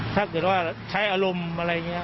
ถ้าเกิดว่าใช้อารมณ์อะไรอย่างนี้